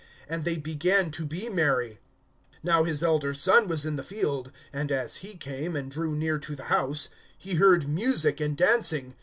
And they began to be merry. (25)Now his elder son was in the field. And as he came, and drew near to the house, he heard music and dancing.